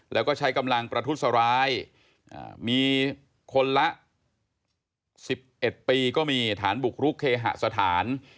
แล้วก็ใช้กำลังประทุษร้ายมีคนละ๑๑ปีก็มีฐานบุกรุกเคหสถาน